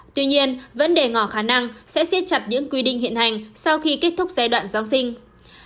tuy nhiên vẫn để ngỏ khả năng sẽ siết chặt những quy định hiện hành sau khi kết thúc giai đoạn giáng sinh